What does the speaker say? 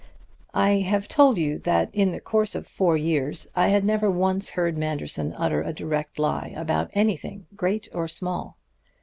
"I have told you that in the course of four years I had never once heard Manderson utter a direct lie about anything great or small.